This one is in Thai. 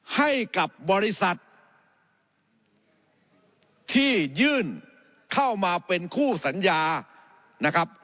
ให้กับบริษัทที่ยื่นเข้ามาเป็นคู่สัญญานะครับ